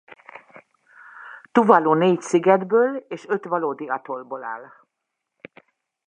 Tuvalu négy szigetből és öt valódi atollból áll.